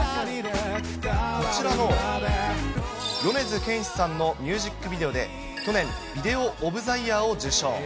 こちらの米津玄師さんのミュージックビデオで、去年、ビデオ・オブ・ザ・イヤーを受賞。